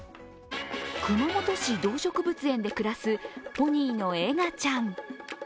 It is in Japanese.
熊本市動植物園で暮らすポニーのエガちゃん。